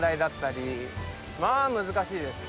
まあ難しいです。